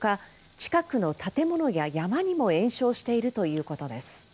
近くの建物や山にも延焼しているということです。